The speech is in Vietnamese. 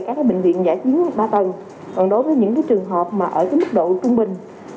các cái bệnh viện giải chiến ba tầng còn đối với những cái trường hợp mà ở cái mức độ trung bình